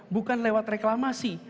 bukan lewat reklamasi